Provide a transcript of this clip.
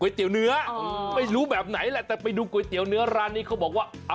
เตี๋ยวเนื้อไม่รู้แบบไหนแหละแต่ไปดูก๋วยเตี๋ยวเนื้อร้านนี้เขาบอกว่า